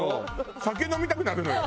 酒飲みたくなるのよ